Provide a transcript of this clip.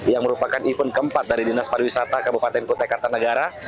yang merupakan event keempat dari dinas pariwisata kabupaten kutai kartanegara